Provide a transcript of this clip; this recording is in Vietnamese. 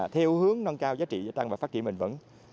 theo hướng nâng cao giá trị gia tăng và phát triển bền vững